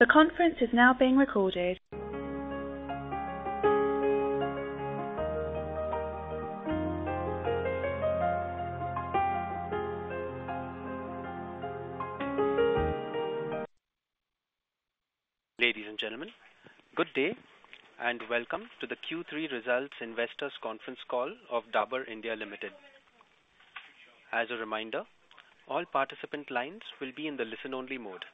The conference is now being recorded. Ladies and gentlemen, good day, and welcome to the Q3 Results Investors Conference Call of Dabur India Limited. As a reminder, all participant lines will be in the listen-only mode.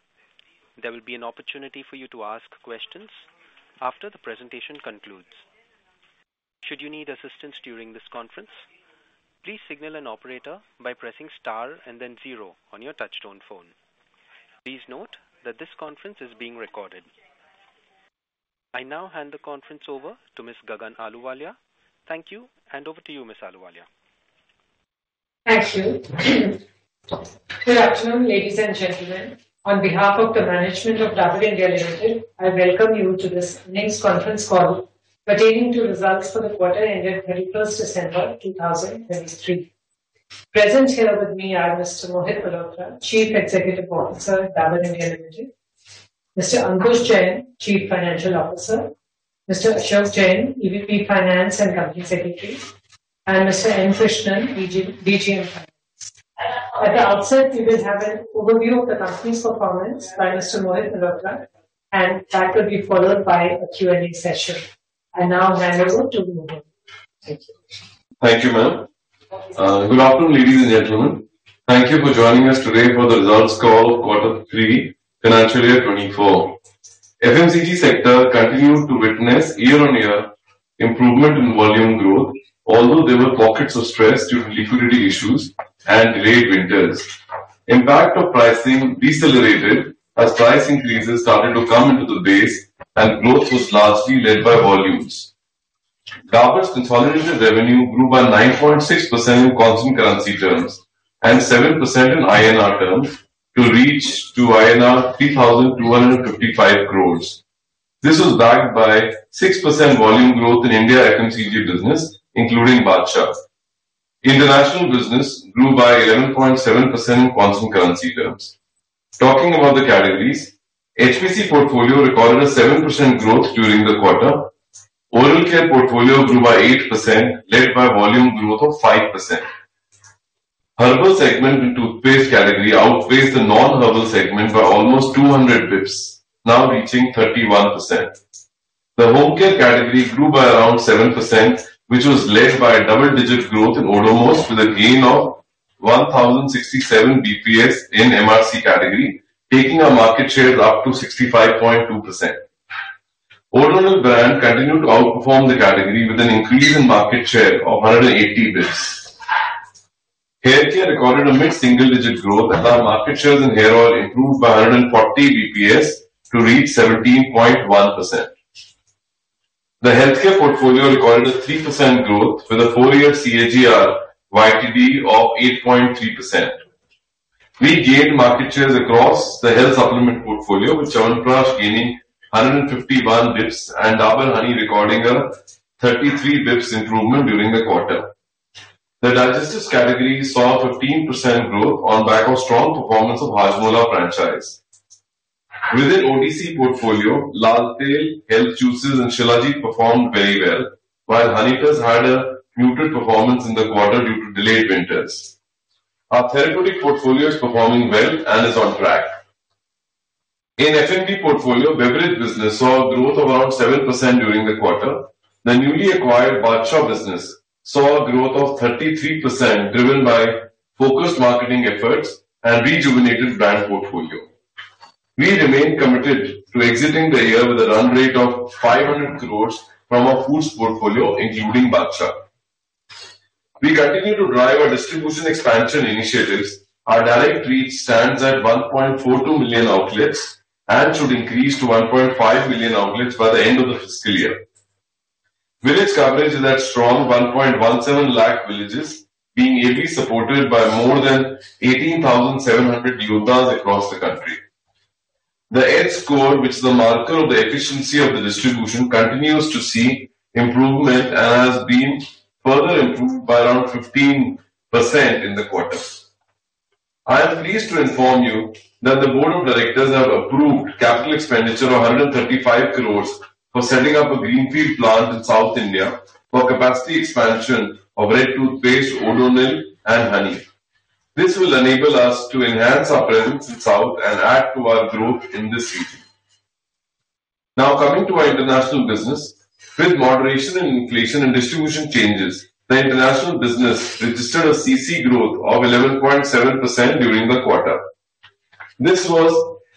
There will be an opportunity for you to ask questions after the presentation concludes. Should you need assistance during this conference, please signal an operator by pressing star and then zero on your touchtone phone. Please note that this conference is being recorded. I now hand the conference over to Ms. Gagan Ahluwalia. Thank you, and over to you, Ms. Ahluwalia. Thank you. Good afternoon, ladies and gentlemen. On behalf of the management of Dabur India Limited, I welcome you to this next conference call pertaining to results for the quarter ended 31 December 2023. Present here with me are Mr. Mohit Malhotra, Chief Executive Officer of Dabur India Limited, Mr. Ankush Jain, Chief Finance Officer, Mr. Ashok Jain, EVP, Finance and Company Secretary, and Mr. N. Krishnan, DGM. At the outset, we will have an overview of the company's performance by Mr. Mohit Malhotra, and that will be followed by a Q&A session. I now hand over to Mohit. Thank you. Thank you, ma'am. Good afternoon, ladies and gentlemen. Thank you for joining us today for the results call, Quarter 3, Financial Year 2024. FMCG sector continued to witness year-on-year improvement in volume growth, although there were pockets of stress due to liquidity issues and delayed winters. Impact of pricing decelerated as price increases started to come into the base and growth was largely led by volumes. Dabur's consolidated revenue grew by 9.6% in constant currency terms and 7% in INR terms, to reach to INR 3,255 crore. This was backed by 6% volume growth in India FMCG business, including Badshah. International business grew by 11.7% in constant currency terms. Talking about the categories, HPC portfolio recorded a 7% growth during the quarter. Oral care portfolio grew by 8%, led by volume growth of 5%. Herbal segment in toothpaste category outpaced the non-herbal segment by almost 200 BPS, now reaching 31%. The home care category grew by around 7%, which was led by a double-digit growth in Odomos with a gain of 1,067 BPS in MRC category, taking our market shares up to 65.2%. Odonil brand continued to outperform the category with an increase in market share of 180 BPS. Hair care recorded a mid-single-digit growth, and our market shares in hair oil improved by 140 BPS to reach 17.1%. The healthcare portfolio recorded a 3% growth with a four-year CAGR YTD of 8.3%. We gained market shares across the health supplement portfolio, with Chyawanprash gaining 151 basis points and Dabur Honey recording a 33 basis points improvement during the quarter. The digestive category saw a 15% growth on back of strong performance of Hajmola franchise. Within OTC portfolio, Lal Tail, health juices, and Shilajit performed very well, while Honitus had a neutral performance in the quarter due to delayed winters. Our therapeutic portfolio is performing well and is on track. In FMCG portfolio, beverage business saw a growth of around 7% during the quarter. The newly acquired Badshah business saw a growth of 33%, driven by focused marketing efforts and rejuvenated brand portfolio. We remain committed to exiting the year with a run rate of 500 crore from our foods portfolio, including Badshah. We continue to drive our distribution expansion initiatives. Our direct reach stands at 1.42 million outlets and should increase to 1.5 million outlets by the end of the fiscal year. Village coverage is at strong 1.17 lakh villages, being heavily supported by more than 18,700 Yodhas across the country. The ED score, which is the marker of the efficiency of the distribution, continues to see improvement and has been further improved by around 15% in the quarter. I am pleased to inform you that the Board of Directors have approved capital expenditure of 135 crores for setting up a greenfield plant in South India for capacity expansion of Red toothpaste, Odonil, and honey. This will enable us to enhance our presence in South and add to our growth in this region. Now, coming to our international business. With moderation in inflation and distribution changes, the international business registered a CC growth of 11.7% during the quarter. This was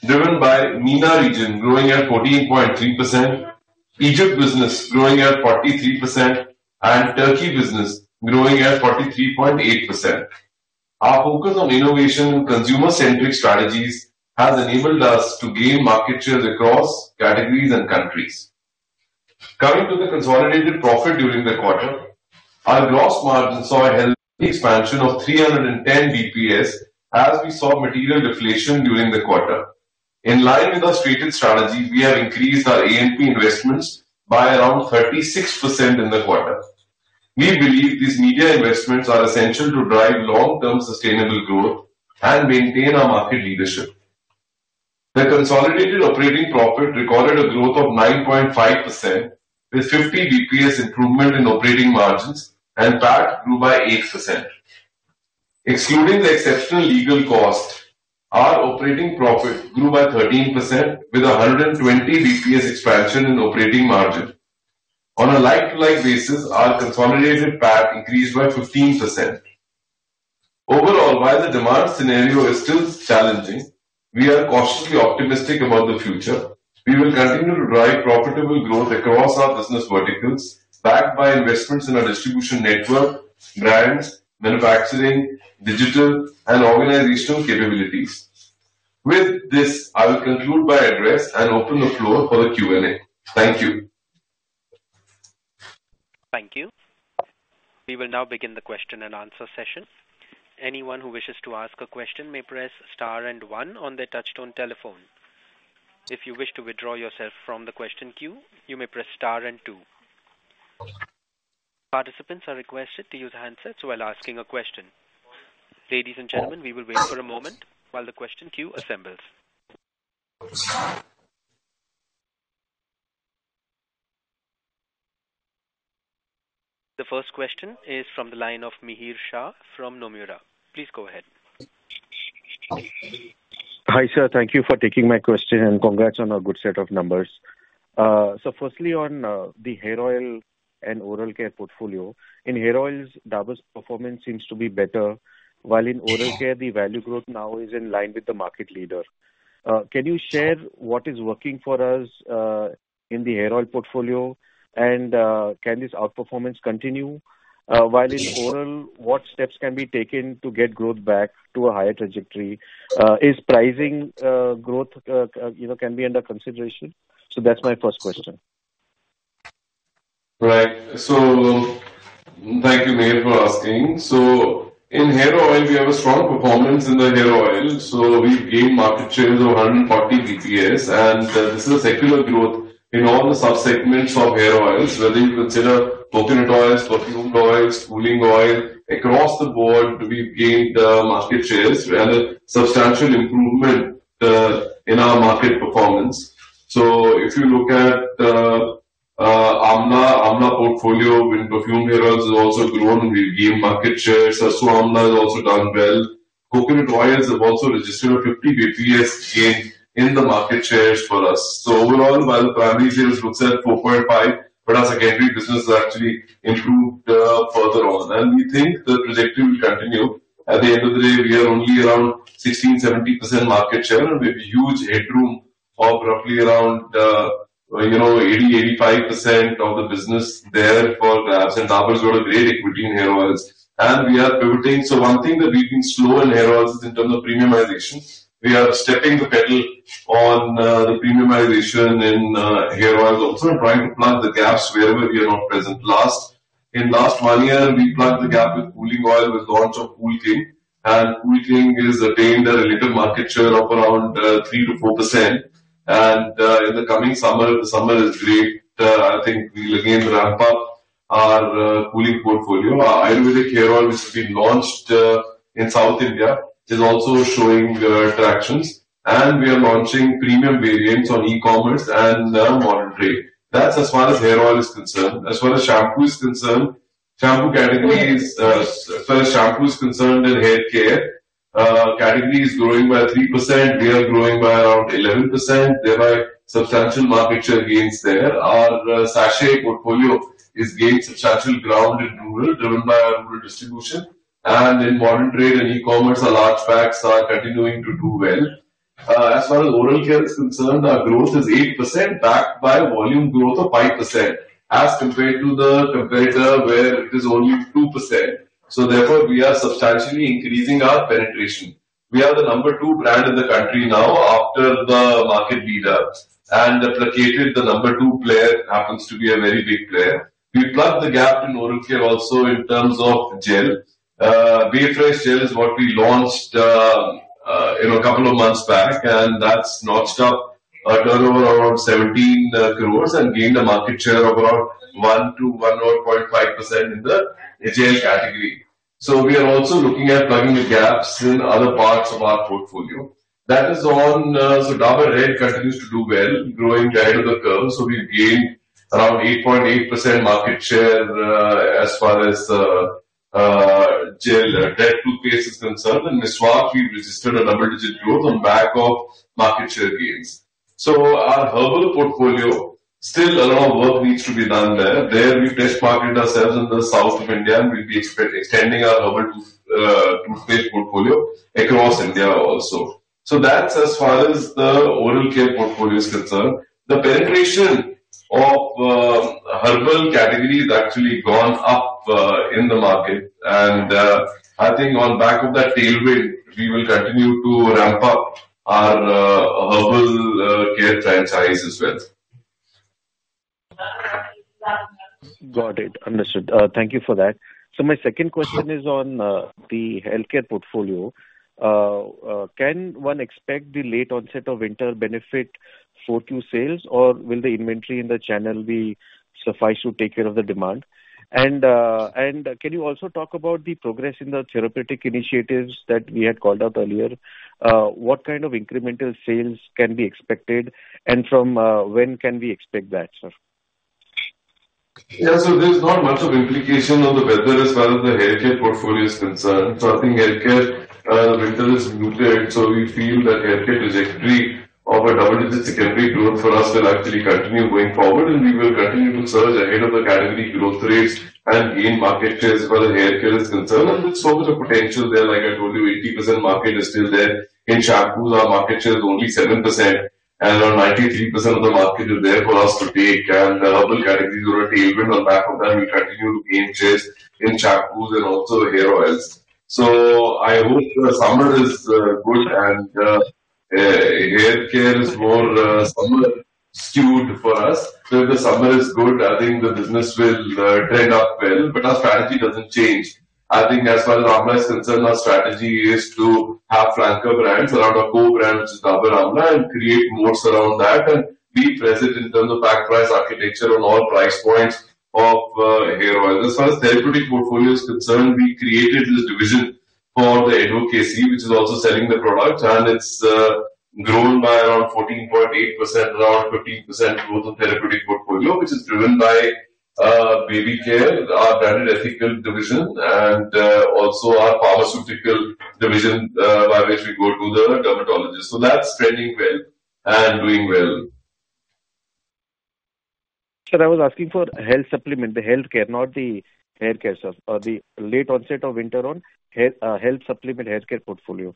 driven by MENA region, growing at 14.3%, Egypt business growing at 43%, and Turkey business growing at 43.8%. Our focus on innovation and consumer-centric strategies has enabled us to gain market shares across categories and countries. Coming to the consolidated profit during the quarter, our gross margin saw a healthy expansion of 310 BPS as we saw material deflation during the quarter. In line with our stated strategy, we have increased our A&P investments by around 36% in the quarter. We believe these media investments are essential to drive long-term sustainable growth and maintain our market leadership. The consolidated operating profit recorded a growth of 9.5%, with 50 BPS improvement in operating margins, and PAT grew by 8%. Excluding the exceptional legal cost, our operating profit grew by 13% with a 120 BPS expansion in operating margin. On a like-to-like basis, our consolidated PAT increased by 15%. Overall, while the demand scenario is still challenging, we are cautiously optimistic about the future. We will continue to drive profitable growth across our business verticals, backed by investments in our distribution network, brands, manufacturing, digital, and organizational capabilities. With this, I will conclude my address and open the floor for the Q&A. Thank you. Thank you. We will now begin the question and answer session. Anyone who wishes to ask a question may press star and one on their touchtone telephone. If you wish to withdraw yourself from the question queue, you may press star and two. Participants are requested to use handsets while asking a question. Ladies and gentlemen, we will wait for a moment while the question queue assembles. The first question is from the line of Mihir Shah from Nomura. Please go ahead. Hi, sir. Thank you for taking my question and congrats on a good set of numbers. So firstly, on the hair oil and oral care portfolio. In hair oils, Dabur's performance seems to be better, while in oral care the value growth now is in line with the market leader. Can you share what is working for us in the hair oil portfolio and can this outperformance continue? While in oral, what steps can be taken to get growth back to a higher trajectory? Is pricing growth, you know, can be under consideration? So that's my first question. Right. So thank you, Mihir, for asking. So in hair oil, we have a strong performance in the hair oil, so we've gained market shares of 140 basis points, and this is a secular growth in all the subsegments of hair oils. Whether you consider coconut oils, perfumed oils, cooling oil, across the board, we've gained market shares and a substantial improvement in our market performance. So if you look at Amla, Amla portfolio in perfumed hair oils has also grown, we've gained market shares. Sarson Amla has also done well. Coconut oils have also registered a 50 basis points gain in the market shares for us. So overall, while the primary sales looks at 4.5, but our secondary business actually improved further on, and we think the trajectory will continue. At the end of the day, we are only around 16.7% market share, and with huge headroom of roughly around, you know, 80-85% of the business there for the rest. Dabur's got a great equity in hair oils, and we are pivoting. So one thing that we've been slow in hair oils is in terms of premiumization. We are stepping the pedal on the premiumization in hair oils, also trying to plug the gaps wherever we are not present. In the last one year, we plugged the gap with cooling oil, with launch of Cool King, and Cool King has attained a relative market share of around 3%-4%. And in the coming summer, if the summer is great, I think we'll again ramp up our cooling portfolio. Our Ayurvedic hair oil, which we launched in South India, is also showing traction, and we are launching premium variants on e-commerce and modern trade. That's as far as hair oil is concerned. As far as shampoo is concerned, shampoo category is... As far as shampoo is concerned in haircare category is growing by 3%. We are growing by around 11%, thereby substantial market share gains there. Our sachet portfolio is gained substantial ground in rural, driven by our rural distribution, and in modern trade and e-commerce, our large packs are continuing to do well. As far as oral care is concerned, our growth is 8%, backed by volume growth of 5%, as compared to the competitor, where it is only 2%. So therefore, we are substantially increasing our penetration. We are the number 2 brand in the country now after the market leader, and the latter, the number 2 player happens to be a very big player. We plugged the gap in oral care also in terms of gel. Bae Fresh gel is what we launched, you know, a couple of months back, and that's notched up a turnover around 17 crores and gained a market share of around 1%-1.5% in the gel category. So we are also looking at plugging the gaps in other parts of our portfolio. That is on, so Dabur Red continues to do well, growing ahead of the curve. So we've gained around 8.8% market share, as far as gel, Dant toothpaste is concerned, and that, we've registered a double-digit growth on back of market share gains. So our herbal portfolio, still a lot of work needs to be done there. There, we test market ourselves in the South of India, and we'll be extending our herbal toothpaste portfolio across India also. So that's as far as the oral care portfolio is concerned. The penetration of the herbal category has actually gone up in the market, and I think on back of that tailwind, we will continue to ramp up our herbal care franchise as well.... Got it. Understood. Thank you for that. So my second question is on the healthcare portfolio. Can one expect the late onset of winter benefit for flu sales, or will the inventory in the channel be sufficient to take care of the demand? And can you also talk about the progress in the therapeutic initiatives that we had called out earlier? What kind of incremental sales can be expected, and from when can we expect that, sir? Yeah. So there's not much of implication on the weather as far as the healthcare portfolio is concerned. So I think healthcare, winter is muted, so we feel that healthcare trajectory of a double-digit category growth for us will actually continue going forward, and we will continue to surge ahead of the category growth rates and gain market share as far as healthcare is concerned. And there's so much of potential there. Like I told you, 80% market is still there. In shampoos, our market share is only 7%, and around 93% of the market is there for us to take, and double category growth even on the back of that, we continue to gain shares in shampoos and also hair oils. So I hope the summer is good and haircare is more summer-skewed for us. So if the summer is good, I think the business will turn up well, but our strategy doesn't change. I think as far as Dabur is concerned, our strategy is to have flanker brands around our core brand, which is Dabur Amla, and create moats around that and be present in terms of back price architecture on all price points of hair oils. As far as therapeutic portfolio is concerned, we created this division for the Ethicals, which is also selling the product, and it's grown by around 14.8%, around 15% growth of therapeutic portfolio, which is driven by baby care, our branded ethical division, and also our pharmaceutical division by which we go to the dermatologist. So that's trending well and doing well. Sir, I was asking for health supplement, the healthcare, not the haircare, sir. The late onset of winter on hair, health supplement, healthcare portfolio.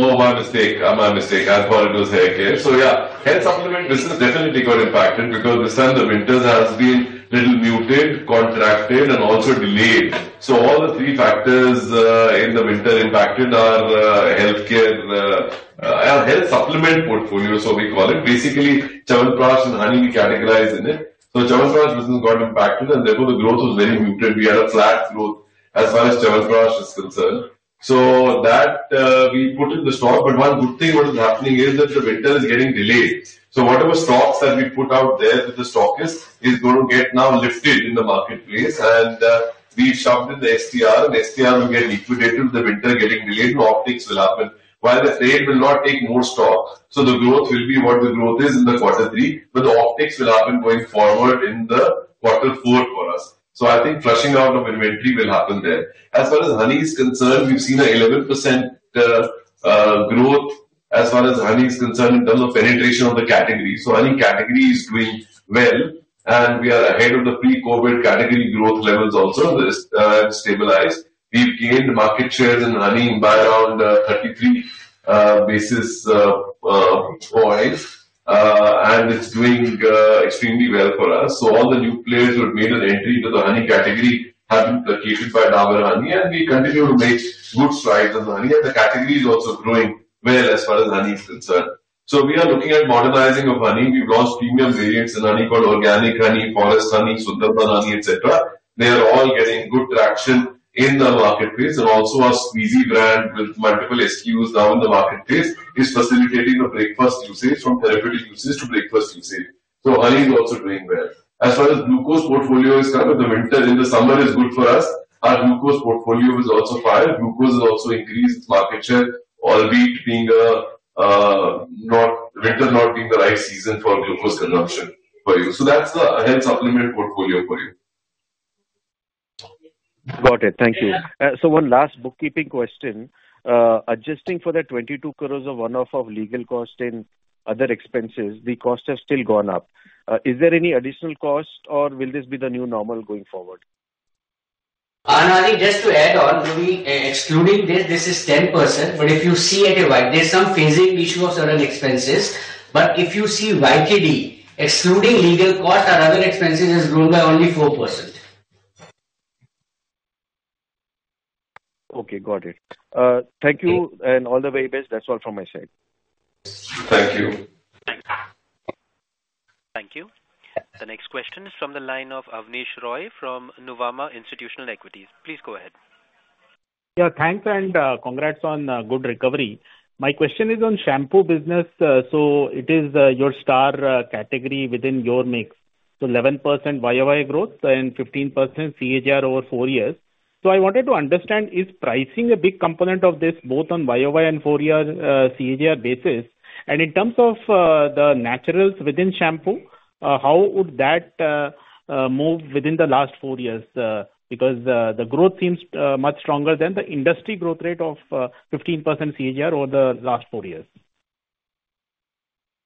Oh, my mistake. My mistake. I thought it was haircare. So, yeah, health supplement business definitely got impacted because this time the winters has been little muted, contracted, and also delayed. So all the three factors in the winter impacted our healthcare health supplement portfolio, so we call it. Basically, Chyawanprash and honey we categorize in it. So Chyawanprash business got impacted, and therefore, the growth was very muted. We had a flat growth as far as Chyawanprash is concerned. So that we put in the stock. But one good thing what is happening is that the winter is getting delayed. So whatever stocks that we put out there with the stockist is going to get now lifted in the marketplace, and we've shoved in the STR, and the STR will get liquidated with the winter getting delayed, so optics will happen. While the trade will not take more stock, so the growth will be what the growth is in the quarter three, but the optics will happen going forward in the quarter four for us. So I think flushing out of inventory will happen there. As far as honey is concerned, we've seen an 11% growth as far as honey is concerned in terms of penetration of the category. So honey category is doing well, and we are ahead of the pre-COVID category growth levels also, this have stabilized. We've gained market shares in honey by around 33 basis points, and it's doing extremely well for us. So all the new players who have made an entry into the honey category have been populated by Dabur Honey, and we continue to make good strides on the honey, and the category is also growing well as far as honey is concerned. So we are looking at modernizing of honey. We've launched premium variants in honey called Organic Honey, Forest Honey, Sundarban Honey, et cetera. They are all getting good traction in the marketplace, and also our Squeezy brand with multiple SKUs now in the marketplace, is facilitating a breakfast usage from therapeutic usage to breakfast usage. So honey is also doing well. As far as glucose portfolio is concerned, the winter in the summer is good for us. Our glucose portfolio is also fine. Glucose has also increased its market share, albeit being, Winter not being the right season for glucose consumption for you. That's the health supplement portfolio for you. Got it. Thank you. One last bookkeeping question. Adjusting for the 22 crore of one-off of legal cost and other expenses, the costs have still gone up. Is there any additional cost, or will this be the new normal going forward? I think just to add on, maybe excluding this, this is 10%, but if you see it, there's some phasing issue of certain expenses. If you see YTD, excluding legal cost and other expenses, has grown by only 4%. Okay, got it. Thank you, and all the very best. That's all from my side. Thank you. Thanks. Thank you. The next question is from the line of Avnish Roy from Nuvama Institutional Equities. Please go ahead. Yeah, thanks, and congrats on good recovery. My question is on shampoo business. So it is your star category within your mix. So 11% YOY growth and 15% CAGR over four years. So I wanted to understand, is pricing a big component of this, both on YOY and four-year CAGR basis? And in terms of the naturals within shampoo, how would that move within the last four years? Because the growth seems much stronger than the industry growth rate of 15% CAGR over the last four years.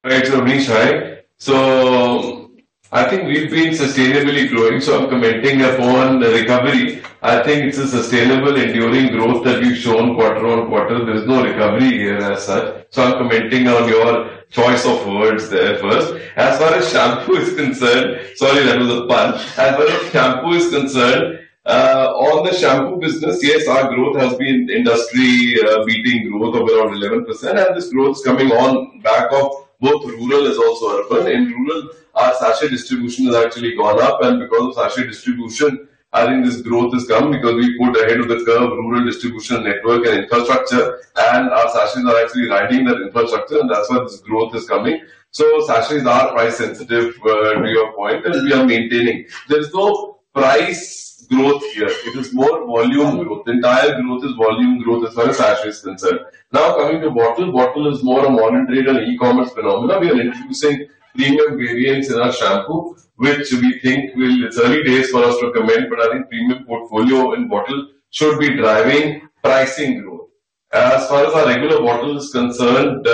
Right, Avnish Roy. So I think we've been sustainably growing, so I'm commenting upon the recovery. I think it's a sustainable, enduring growth that we've shown quarter-on-quarter. There is no recovery here as such, so I'm commenting on your choice of words there first. As far as shampoo is concerned, sorry, that was a pun. As far as shampoo is concerned. On the shampoo business, yes, our growth has been industry-beating growth of around 11%, and this growth is coming on back of both rural as also urban. In rural, our sachet distribution has actually gone up, and because of sachet distribution, I think this growth has come because we put ahead of the curve rural distribution network and infrastructure, and our sachets are actually riding that infrastructure, and that's where this growth is coming. So sachets are price sensitive, to your point, and we are maintaining. There's no price growth here. It is more volume growth. The entire growth is volume growth as far as sachet is concerned. Now, coming to bottle, bottle is more a modern trade and e-commerce phenomenon. We are introducing premium variants in our shampoo, which we think will... It's early days for us to comment, but I think premium portfolio in bottle should be driving pricing growth. As far as our regular bottle is concerned,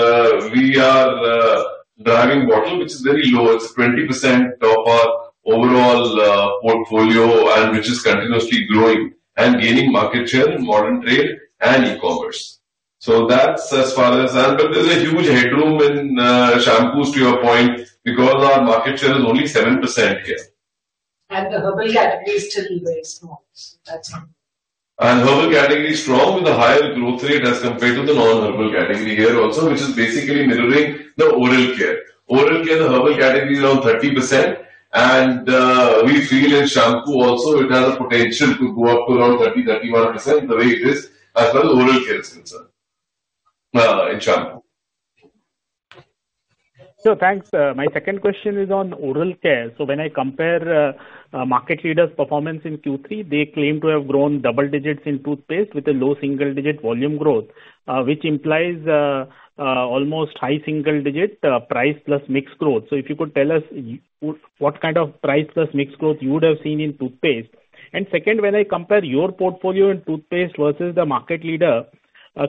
we are driving bottle, which is very low. It's 20% of our overall portfolio and which is continuously growing and gaining market share in modern trade and e-commerce. So that's as far as that, but there's a huge headroom in shampoos, to your point, because our market share is only 7% here. The herbal category is still very small, so that's all. And herbal category is strong with a higher growth rate as compared to the non-herbal category here also, which is basically mirroring the oral care. Oral care, the herbal category is around 30%, and we feel in shampoo also it has a potential to go up to around 30-31%, the way it is, as well as oral care is concerned, in shampoo. So thanks. My second question is on oral care. So when I compare market leaders' performance in Q3, they claim to have grown double digits in toothpaste with a low single-digit volume growth, which implies almost high single-digit price plus mixed growth. So if you could tell us what kind of price plus mixed growth you would have seen in toothpaste. And second, when I compare your portfolio in toothpaste versus the market leader,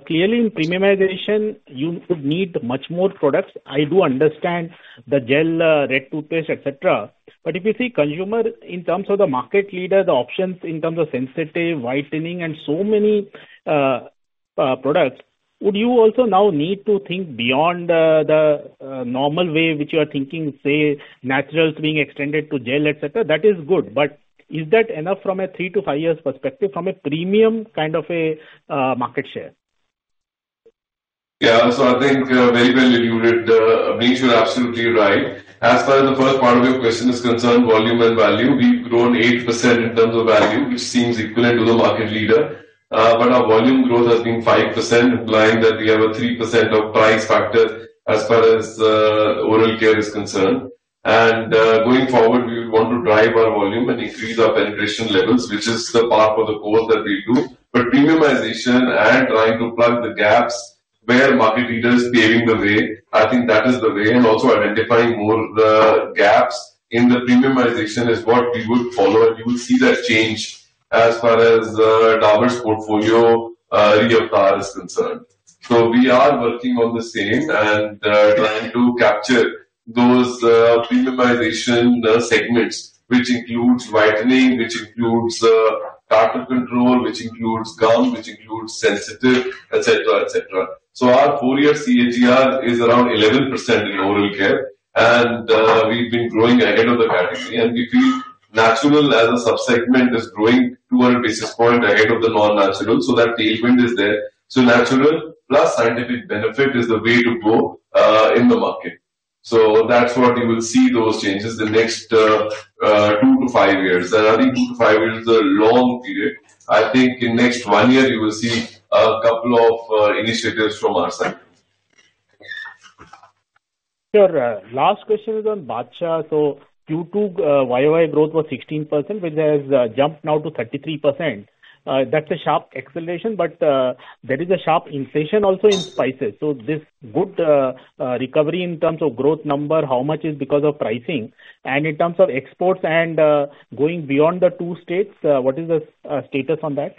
clearly in premiumization, you would need much more products. I do understand the gel, red toothpaste, et cetera. If you see consumer in terms of the market leader, the options in terms of sensitive, whitening, and so many products, would you also now need to think beyond the normal way which you are thinking, say, naturals being extended to gel, et cetera? That is good, but is that enough from a three to five years perspective, from a premium kind of a market share? Yeah. So I think, very well alluded, Avnish, you're absolutely right. As far as the first part of your question is concerned, volume and value, we've grown 8% in terms of value, which seems equivalent to the market leader. But our volume growth has been 5%, implying that we have a 3% of price factor as far as, oral care is concerned. And, going forward, we want to drive our volume and increase our penetration levels, which is the part of the core that we do. But premiumization and trying to plug the gaps where market leader is paving the way, I think that is the way, and also identifying more of the gaps in the premiumization is what we would follow, and you will see that change as far as, Dabur's portfolio, re-avatar is concerned. So we are working on the same and, trying to capture those, premiumization, segments, which includes whitening, which includes, tartar control, which includes gum, which includes sensitive, et cetera, et cetera. So our four-year CAGR is around 11% in oral care, and, we've been growing ahead of the category, and we feel natural as a sub-segment is growing 200 basis points ahead of the non-natural. So that tailwind is there. So natural plus scientific benefit is the way to go, in the market. So that's what you will see those changes the next, two to five years. And I think two to five years is a long period. I think in next one year you will see a couple of, initiatives from our side. Sure. Last question is on Badshah. So Q2 YOY growth was 16%, which has jumped now to 33%. That's a sharp acceleration, but there is a sharp inflation also in spices. So this good recovery in terms of growth number, how much is because of pricing? And in terms of exports and going beyond the two states, what is the status on that?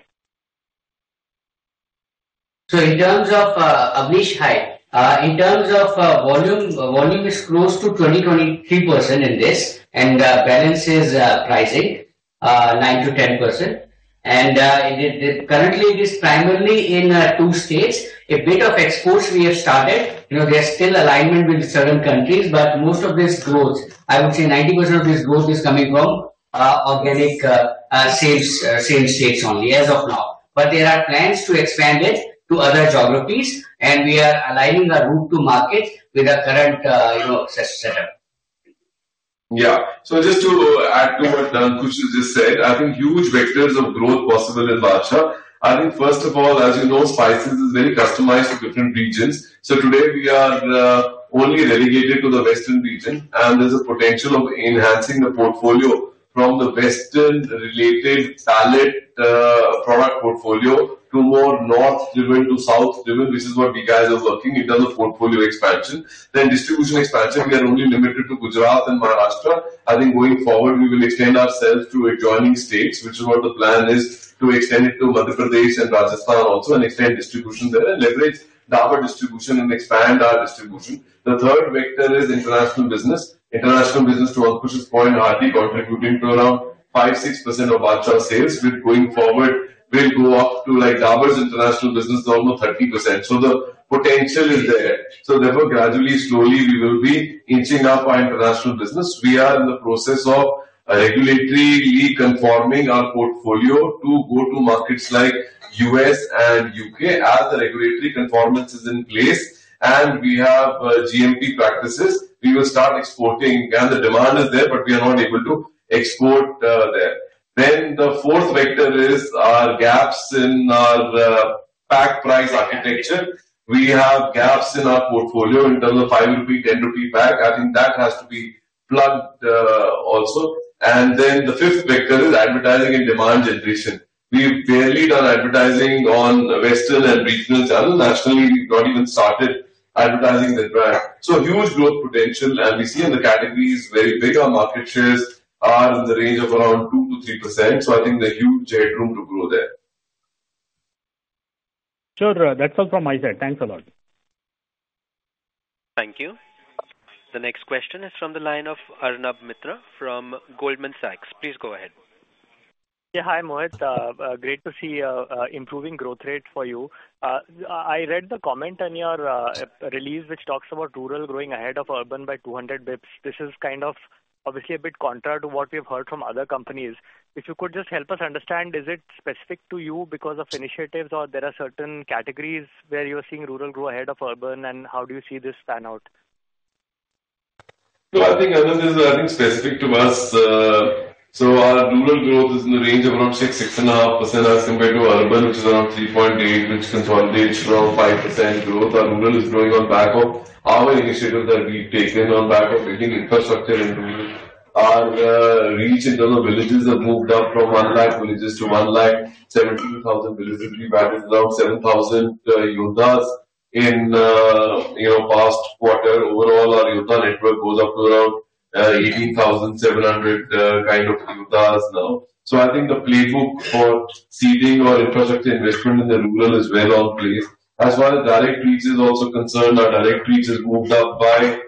So in terms of, Avnish, hi. In terms of, volume, volume is close to 20-23% in this, and balance is pricing, 9%-10%. And, currently, it is primarily in two states. A bit of exports we have started. You know, we are still alignment with certain countries, but most of this growth, I would say 90% of this growth is coming from organic sales, same states only, as of now. But there are plans to expand it to other geographies, and we are aligning our route to market with our current, you know, setup. Yeah. So just to add to what Ankush just said, I think huge vectors of growth possible in Badshah. I think first of all, as you know, spices is very customized to different regions. So today we are only relegated to the western region, and there's a potential of enhancing the portfolio from the western-related palette, product portfolio to more north driven to south driven. This is what we guys are working in terms of portfolio expansion. Then distribution expansion, we are only limited to Gujarat and Maharashtra. I think going forward, we will extend ourselves to adjoining states, which is what the plan is, to extend it to Madhya Pradesh and Rajasthan also, and extend distribution there and leverage Dabur distribution and expand our distribution. The third vector is international business. International business, to Ankush's point, hardly contributing to around 5-6% of Badshah sales, which going forward, will go up to, like, Dabur's international business of almost 30%. So the potential is there. So therefore, gradually, slowly, we will be inching up our international business. We are in the process of regulatory conforming our portfolio to go to markets like U.S. and U.K. As the regulatory conformance is in place and we have GMP practices, we will start exporting. Again, the demand is there, but we are not able to export there. Then the fourth vector is our gaps in our pack price architecture. We have gaps in our portfolio in terms of 5 rupee, 10 rupee pack. I think that has to be plugged also. And then the fifth vector is advertising and demand generation. We've barely done advertising on western and regional channels. Nationally, we've not even started advertising the brand. So huge growth potential, and we see in the categories where bigger market shares are in the range of around 2%-3%, so I think there's huge headroom to grow there. Sure, that's all from my side. Thanks a lot. Thank you. The next question is from the line of Arnav Mitra from Goldman Sachs. Please go ahead. Yeah, hi, Mohit. Great to see improving growth rate for you. I read the comment on your release, which talks about rural growing ahead of urban by 200 basis points. This is kind of obviously a bit contrary to what we've heard from other companies. If you could just help us understand, is it specific to you because of initiatives, or there are certain categories where you're seeing rural grow ahead of urban, and how do you see this pan out? So I think, Arnav, this is, I think, specific to us. So our rural growth is in the range of around 6-6.5% as compared to urban, which is around 3.8%, which consolidates around 5% growth. Our rural is growing on back of our initiatives that we've taken on back of building infrastructure in rural. Our reach in terms of villages have moved up from 100,000 villages to 172,000 villages. We've added around 7,000 Yoddhas. In the, you know, past quarter, overall, our Yoddha network goes up to around 18,700 kind of Yoddhas now. So I think the playbook for seeding our infrastructure investment in the rural is well in place. As far as direct reach is concerned, our direct reach has moved up by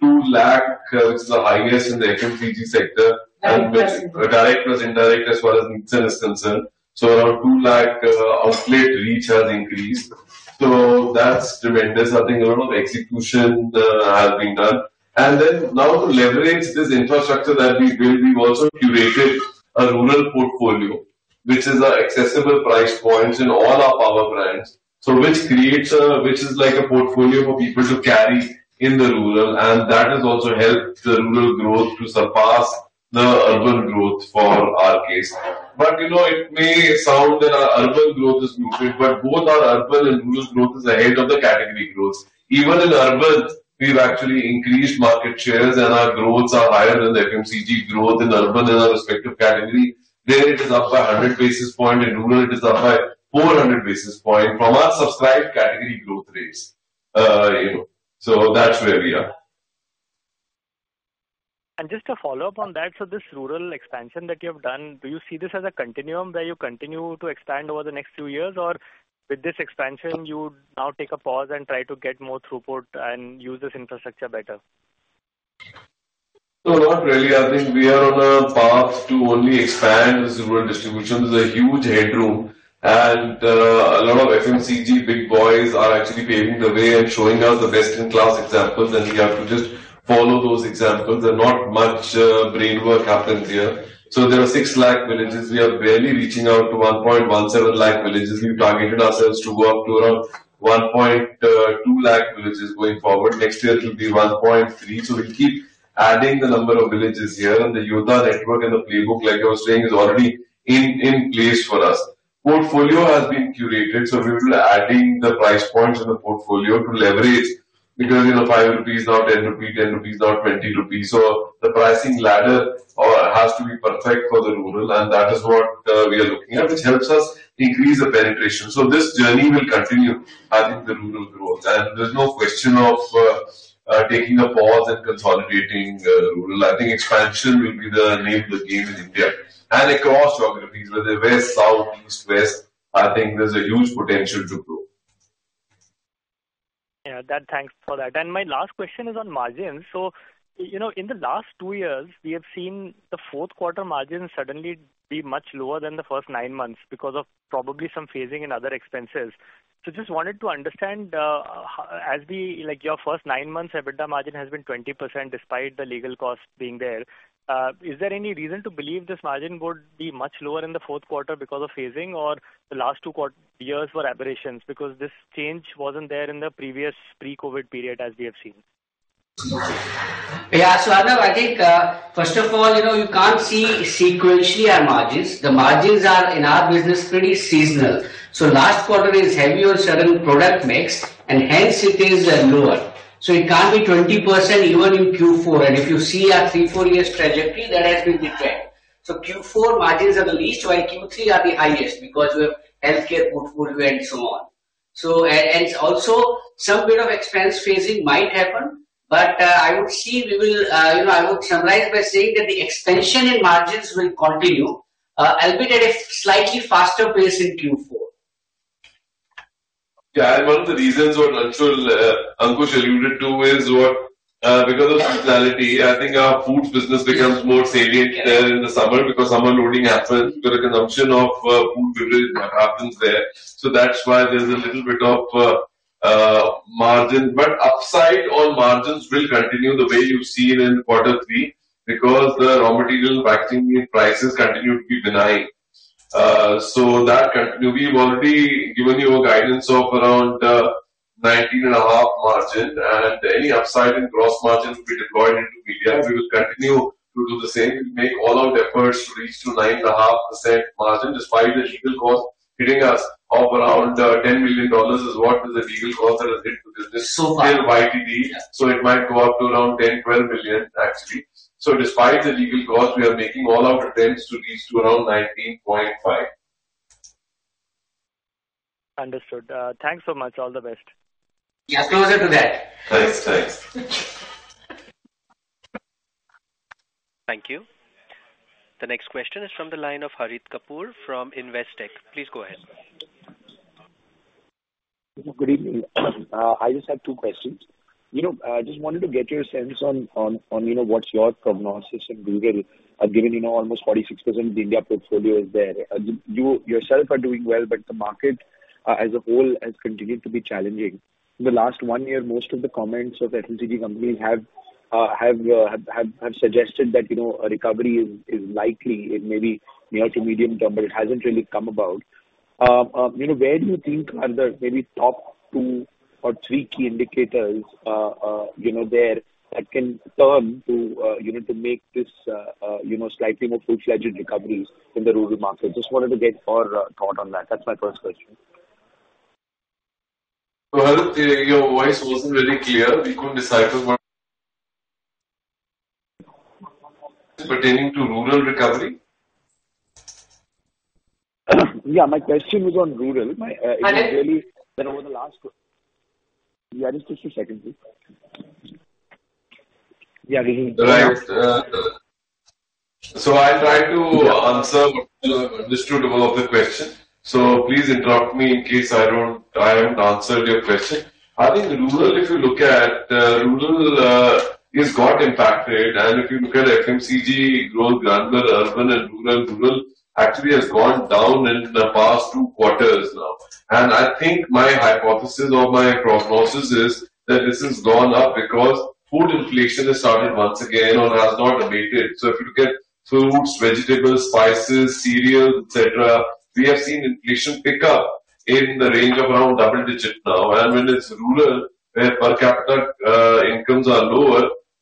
200,000, which is the highest in the FMCG sector, and direct as well as indirect as well as mixing is concerned. So around 200,000 overall reach has increased. So that's tremendous. I think a lot of execution has been done. Then now to leverage this infrastructure that we built, we've also curated a rural portfolio, which is our accessible price points in all our Power Brands. So which creates a... Which is like a portfolio for people to carry in the rural, and that has also helped the rural growth to surpass the urban growth for our case. But, you know, it may sound that our urban growth is muted, but both our urban and rural growth is ahead of the category growth. Even in urban, we've actually increased market shares, and our growths are higher than the FMCG growth in urban in our respective category. There it is up by 100 basis point, in rural it is up by 400 basis point from our subscribed category growth rates. You know, so that's where we are. Just to follow up on that, so this rural expansion that you have done, do you see this as a continuum where you continue to expand over the next few years? Or with this expansion, you now take a pause and try to get more throughput and use this infrastructure better? So not really. I think we are on a path to only expand the rural distribution. There's a huge headroom, and a lot of FMCG big boys are actually paving the way and showing us the best-in-class examples, and we have to just follow those examples. And not much brainwork happens here. So there are 6 lakh villages. We are barely reaching out to 1.17 lakh villages. We've targeted ourselves to go up to around 1.2 lakh villages going forward. Next year, it will be 1.3. So we'll keep adding the number of villages here, and the Yoda network and the playbook, like I was saying, is already in place for us. Portfolio has been curated, so we will be adding the price points in the portfolio to leverage, because, you know, 5 rupees, now 10 rupee, 10 rupees, now 20 rupees. So the pricing ladder has to be perfect for the rural, and that is what we are looking at, which helps us increase the penetration. So this journey will continue, I think, the rural growth. And there's no question of taking a pause and consolidating rural. I think expansion will be the name of the game in India and across geographies, whether west, south, east, west, I think there's a huge potential to grow. Yeah, that... Thanks for that. And my last question is on margins. So, you know, in the last two years, we have seen the fourth quarter margin suddenly be much lower than the first nine months because of probably some phasing in other expenses. So just wanted to understand, as the, like, your first nine months, EBITDA margin has been 20%, despite the legal costs being there. Is there any reason to believe this margin would be much lower in the fourth quarter because of phasing or the last two years were aberrations? Because this change wasn't there in the previous pre-COVID period, as we have seen. Yeah, so, Arnav, I think, first of all, you know, you can't see sequentially our margins. The margins are, in our business, pretty seasonal. So last quarter is heavy on certain product mix, and hence it is lower. So it can't be 20% even in Q4. And if you see our 3-4 years trajectory, that has been the trend. So Q4 margins are the least, while Q3 are the highest because we have healthcare portfolio and so on. So and, and also, some bit of expense phasing might happen, but, I would see we will, you know, I would summarize by saying that the expansion in margins will continue, albeit at a slightly faster pace in Q4. Yeah, and one of the reasons what Ankush alluded to is what, because of seasonality, I think our food business becomes more salient there in the summer because summer loading happens, so the consumption of food really happens there. So that's why there's a little bit of margin. But upside on margins will continue the way you've seen in quarter three, because the raw material packaging prices continue to be benign. So that continue. We've already given you a guidance of around 19.5 margin, and any upside in gross margin will be deployed into media. We will continue to do the same, make all our efforts to reach to 9.5% margin, despite the legal cost hitting us of around $10 billion is what the legal cost that has been to this. It might go up to around 10-12 billion tax free. Despite the legal cost, we are making all our attempts to reach to around 19.5 billion. Understood. Thanks so much. All the best. Yeah, closer to that. Thanks. Thanks. Thank you. The next question is from the line of Harit Kapoor from Investec. Please go ahead. Good evening. I just have two questions. You know, I just wanted to get your sense on, on, on, you know, what's your prognosis in rural? Given, you know, almost 46% of the India portfolio is there. You yourself are doing well, but the market, as a whole, has continued to be challenging. In the last one year, most of the comments of FMCG companies have suggested that, you know, a recovery is likely in maybe near to medium term, but it hasn't really come about. You know, where do you think are the maybe top two or three key indicators, you know, there, that can turn to, you know, to make this, you know, slightly more full-fledged recovery in the rural market? Just wanted to get your thought on that. That's my first question. So Harit, your voice wasn't really clear. We couldn't decide on what... pertaining to rural recovery? Yeah, my question was on rural. My, it was really- I think- Over the last... Yeah, just a second, please. Yeah, we can- Right. So I'll try to answer this to develop the question. So please interrupt me in case I don't, I haven't answered your question. I think rural, if you look at rural, is got impacted. And if you look at FMCG growth, granular, urban and rural, rural actually has gone down in the past two quarters now. And I think my hypothesis or my prognosis is that this has gone up because food inflation has started once again and has not abated. So if you look at fruits, vegetables, spices, cereals, et cetera, we have seen inflation pick up in the range of around double digit now. And when it's rural, where per capita incomes are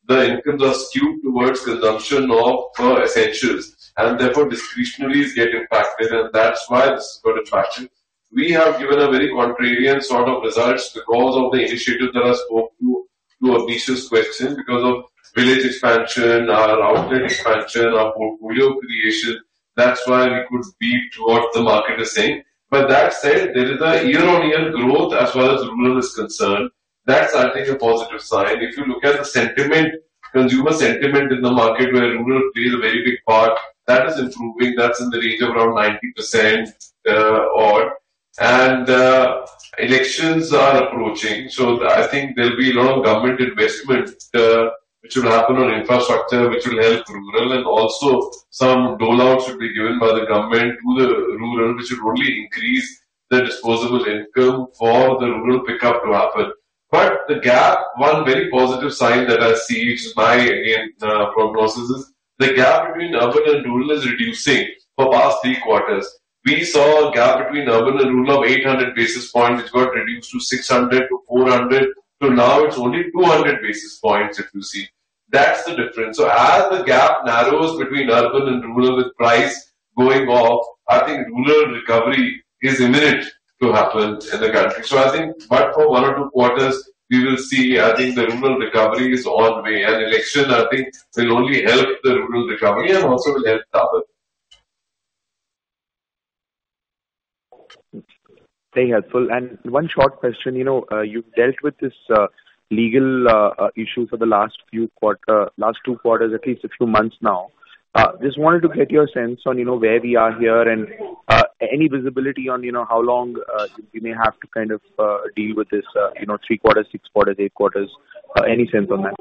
lower, the incomes are skewed towards consumption of essentials, and therefore discretionaries get impacted, and that's why this is got impacted. We have given a very contrarian sort of results because of the initiatives that I spoke to, to Anish's question, because of village expansion, our outlet expansion, our portfolio creation. That's why we could beat what the market is saying. But that said, there is a year-on-year growth as well as rural is concerned. That's, I think, a positive sign. If you look at the sentiment, consumer sentiment in the market, where rural plays a very big part, that is improving. That's in the range of around 90%. And elections are approaching, so I think there'll be a lot of government investment, which will happen on infrastructure, which will help rural, and also some rollouts should be given by the government to the rural, which will only increase the disposable income for the rural pickup to happen. But the gap, one very positive sign that I see, which is my, again, prognosis, is the gap between urban and rural is reducing for past 3 quarters. We saw a gap between urban and rural of 800 basis points, which got reduced to 600 to 400, so now it's only 200 basis points, if you see. That's the difference. So as the gap narrows between urban and rural, with price going off, I think rural recovery is imminent to happen in the country. So I think but for 1 or 2 quarters, we will see, I think the rural recovery is on way, and election, I think, will only help the rural recovery and also will help urban. Very helpful. One short question, you know, you've dealt with this legal issue for the last few quarter, last two quarters, at least a few months now. Just wanted to get your sense on, you know, where we are here and any visibility on, you know, how long we may have to kind of deal with this, you know, three quarters, six quarters, eight quarters? Any sense on that?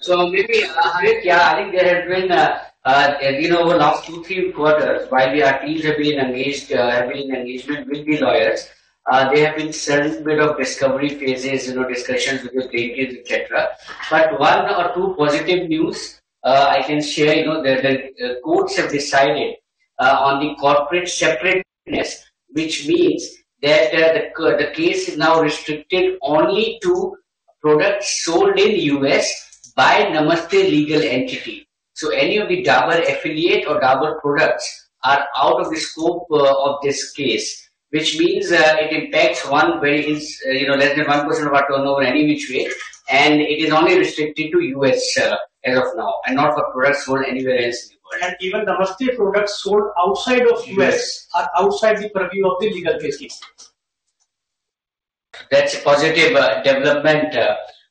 So maybe, Harit, yeah, I think there has been a, you know, over last two, three quarters, while our teams have been engaged, have been in engagement with the lawyers, there have been certain bit of discovery phases, you know, discussions with the patents, et cetera. But one or two positive news, I can share, you know, the, the, courts have decided, on the corporate separateness, which means that, the case is now restricted only to products sold in U.S. by Namaste legal entity. So any of the Dabur affiliate or Dabur products are out of the scope, of this case, which means, it impacts one very insignificant, you know, less than 1% of our turnover any which way, and it is only restricted to U.S., as of now, and not for products sold anywhere else. Even Namaste products sold outside of U.S. are outside the purview of the legal case. That's a positive development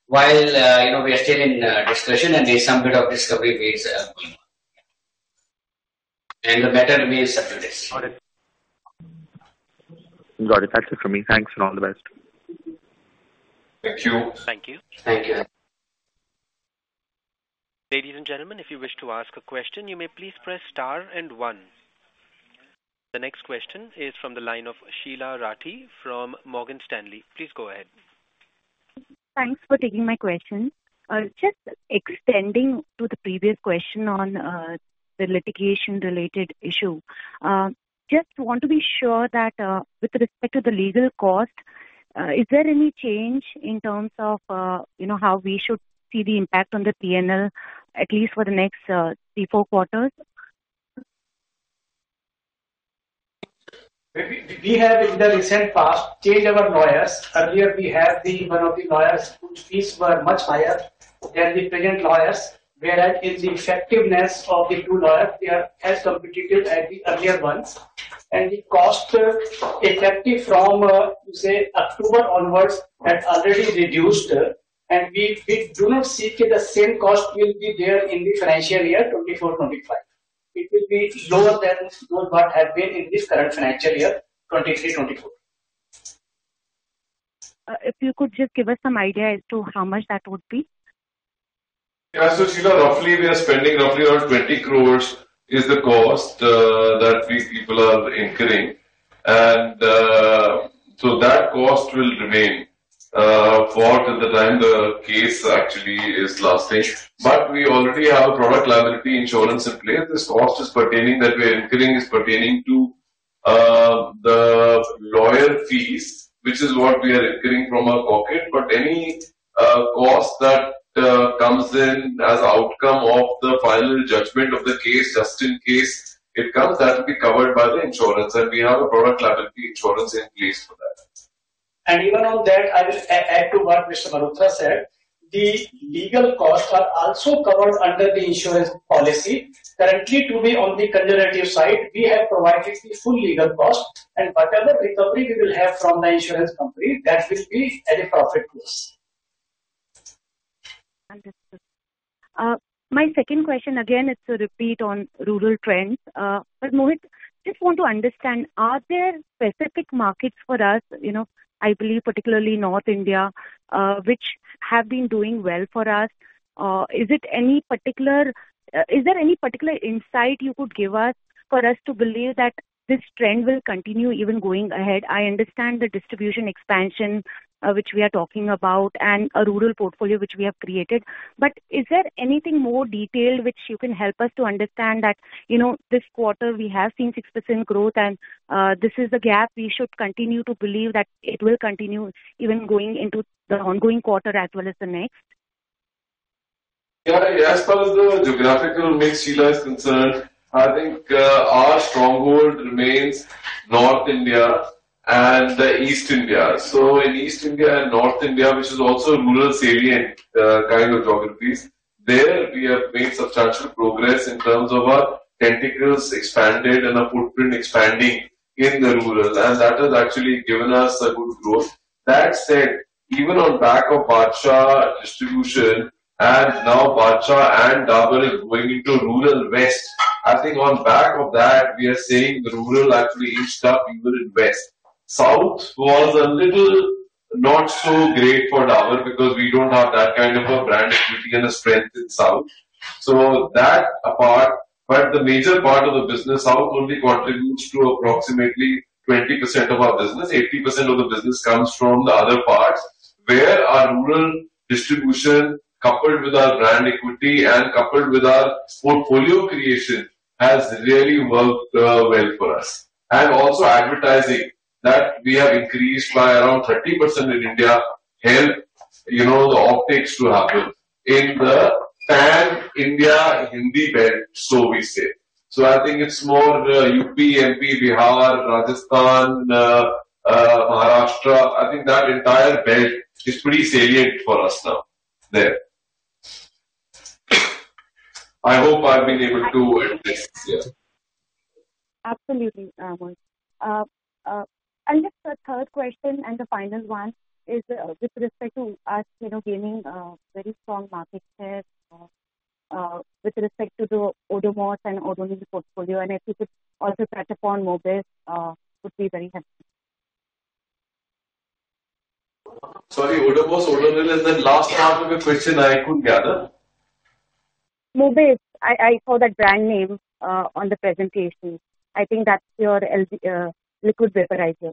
while, you know, we are still in discussion and there's some bit of discovery phase going on. And the matter will be settled this. Got it. Got it. That's it from me. Thanks, and all the best. Thank you. Thank you. Thank you. Ladies and gentlemen, if you wish to ask a question, you may please press star and one. The next question is from the line of Sheila Rathi from Morgan Stanley. Please go ahead. ...Thanks for taking my question. Just extending to the previous question on the litigation-related issue. Just want to be sure that, with respect to the legal cost, is there any change in terms of, you know, how we should see the impact on the PNL, at least for the next three, four quarters? We have in the recent past changed our lawyers. Earlier, we have the one of the lawyers, which fees were much higher than the present lawyers. Whereas in the effectiveness of the new lawyer, they are as competitive as the earlier ones. And the cost effective from, say, October onwards, has already reduced, and we do not see the same cost will be there in the financial year 2024-25. It will be lower than what have been in this current financial year 2023-24. If you could just give us some idea as to how much that would be? Yeah. So Sheila, roughly we are spending roughly around 20 crore is the cost that we people are incurring. So that cost will remain for the time the case actually is lasting. But we already have product liability insurance in place. This cost is pertaining that we are incurring is pertaining to the lawyer fees, which is what we are incurring from our pocket. But any cost that comes in as outcome of the final judgment of the case, just in case it comes, that will be covered by the insurance, and we have a product liability insurance in place for that. And even on that, I will add to what Mr. Malhotra said. The legal costs are also covered under the insurance policy. Currently, to be on the conservative side, we have provided the full legal cost, and whatever recovery we will have from the insurance company, that will be at a profit plus. Understood. My second question, again, is a repeat on rural trends. But Mohit, just want to understand, are there specific markets for us, you know, I believe particularly North India, which have been doing well for us? Is there any particular insight you could give us for us to believe that this trend will continue even going ahead? I understand the distribution expansion, which we are talking about and a rural portfolio which we have created. But is there anything more detailed which you can help us to understand that, you know, this quarter we have seen 6% growth, and this is the gap we should continue to believe that it will continue even going into the ongoing quarter as well as the next? Yeah, as far as the geographical mix, Sheila, is concerned, I think, our stronghold remains North India and East India. So in East India and North India, which is also rural salient, kind of geographies. There, we have made substantial progress in terms of our tentacles expanded and our footprint expanding in the rural, and that has actually given us a good growth. That said, even on back of Badshah distribution and now Badshah and Dabur is going into rural West, I think on back of that, we are saying rural actually reached up even in West. South was a little not so great for Dabur because we don't have that kind of a brand equity and a strength in South. So that apart, but the major part of the business, South only contributes to approximately 20% of our business. 80% of the business comes from the other parts, where our rural distribution, coupled with our brand equity and coupled with our portfolio creation, has really worked well for us. And also advertising, that we have increased by around 30% in India, help, you know, the optics to happen in the pan India Hindi belt, so we say. So I think it's more UP, MP, Bihar, Rajasthan, Maharashtra. I think that entire belt is pretty salient for us now there. I hope I've been able to address this, yeah. Absolutely, Mohit. And just the third question and the final one is, with respect to us, you know, gaining very strong market share, with respect to the Odomos and Odonil portfolio, and if you could also touch upon Fem, would be very helpful. Sorry, Odomos, Odonil, and then last half of the question I couldn't gather. Mohit, I saw that brand name on the presentation. I think that's your LVP, liquid vaporizer.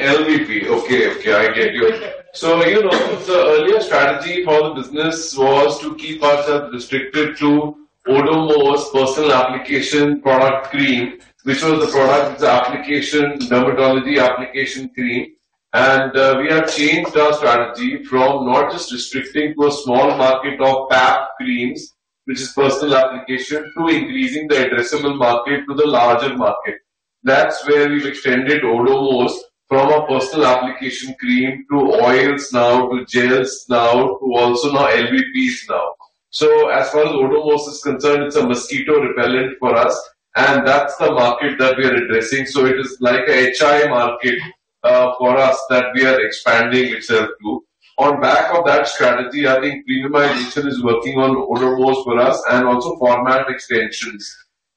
LVP. Okay, okay, I get you. Okay. So, you know, the earlier strategy for the business was to keep ourselves restricted to Odomos's personal application product cream, which was the product, the application, dermatology application cream. We have changed our strategy from not just restricting to a small market of pack creams, which is personal application, to increasing the addressable market to the larger market. That's where we've extended Odomos from a personal application cream to oils now, to gels now, to also now LVPs now. So as far as Odomos is concerned, it's a mosquito repellent for us, and that's the market that we are addressing. So it is like a high market for us that we are expanding itself to. On back of that strategy, I think premiumization is working on Odomos for us, and also format extensions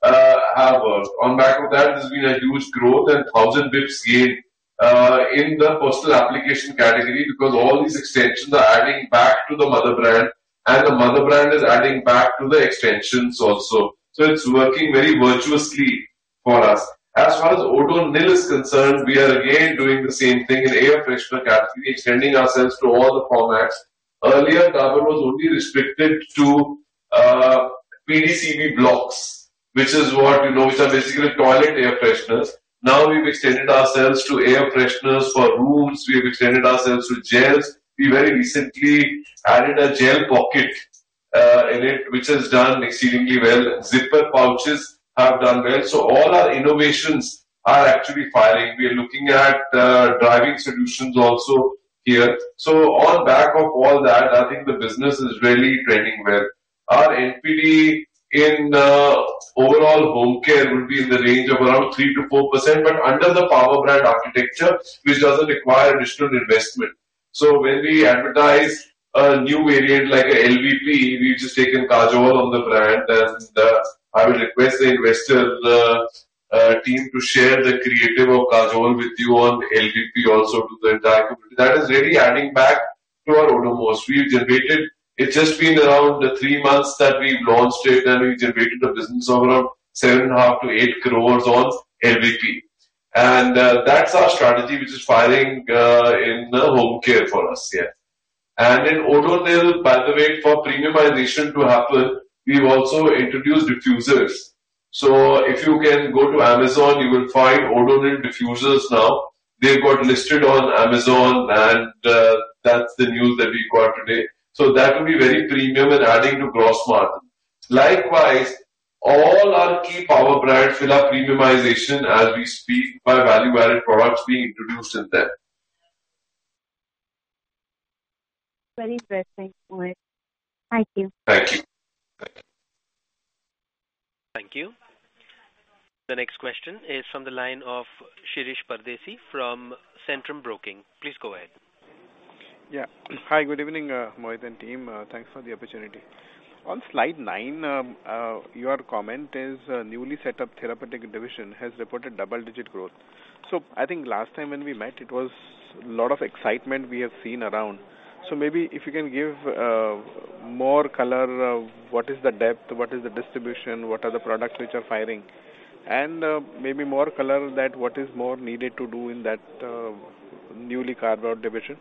have worked. On back of that, there's been a huge growth and 1,000 basis points gained in the personal application category because all these extensions are adding back to the mother brand, and the mother brand is adding back to the extensions also. So it's working very virtuously for us. As far as Odonil is concerned, we are again doing the same thing in air freshener category, extending ourselves to all the formats. Earlier, Dabur was only restricted to PDCB blocks, which is what we know, which are basically toilet air fresheners. Now, we've extended ourselves to air fresheners for rooms, we've extended ourselves to gels. We very recently added a gel pocket in it, which has done exceedingly well. Zipper pouches have done well. So all our innovations are actually firing. We are looking at driving solutions also here. So on back of all that, I think the business is really trending well. Our NPD in overall home care would be in the range of around 3%-4%, but under the power brand architecture, which doesn't require additional investment. So when we advertise a new variant like LVP, we've just taken Kajol on the brand, and I will request the investor team to share the creative of Kajol with you on LVP also to the entire company. That is really adding back to our Odomos. It's just been around the 3 months that we've launched it, and we've generated a business of around 7.5 crore-8 crore on LVP. And that's our strategy, which is firing in the home care for us. Yeah. In Odonil, by the way, for premiumization to happen, we've also introduced diffusers. If you can go to Amazon, you will find Odonil diffusers now. They've got listed on Amazon, and that's the news that we got today. That will be very premium and adding to gross margin. Likewise, all our key power brands will have premiumization as we speak, by value-added products being introduced in them. Very interesting, Mohit. Thank you. Thank you. Bye. Thank you. The next question is from the line of Shirish Pardeshi from Centrum Broking. Please go ahead. Yeah. Hi, good evening, Mohit and team. Thanks for the opportunity. On slide nine, your comment is, "Newly set up therapeutic division has reported double-digit growth." So I think last time when we met, it was a lot of excitement we have seen around. So maybe if you can give more color, what is the depth, what is the distribution, what are the products which are firing? And maybe more color that what is more needed to do in that newly carved out division.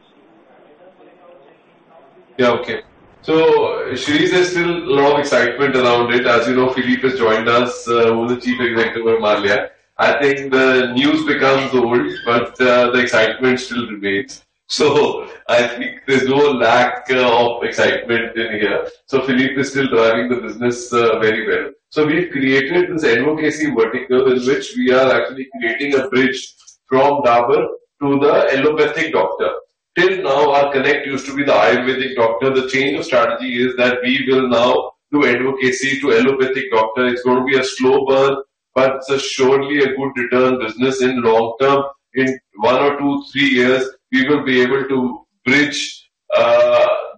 Yeah. Okay. So, Shirish, there's still a lot of excitement around it. As you know, Philippe has joined us, who is the Chief Executive of the therapeutic division. I think the news becomes old, but, the excitement still remains. So I think there's no lack of excitement in here. So Philippe is still driving the business, very well. So we've created this advocacy vertical, in which we are actually creating a bridge from Dabur to the allopathic doctor. Till now, our connect used to be the Ayurvedic doctor. The change of strategy is that we will now do advocacy to allopathic doctor. It's going to be a slow burn, but it's assuredly a good return business in long term. In one or two, three years, we will be able to bridge,